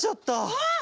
あっ！